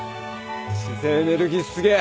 自然エネルギーすげえ！